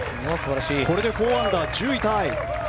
これで４アンダー、１０位タイ。